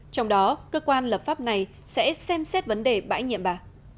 trong đó cơ quan lập pháp này sẽ xem xét vấn đề bãi nhiệm bà